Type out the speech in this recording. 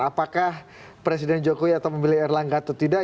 apakah presiden jokowi atau memilih erlangga atau tidak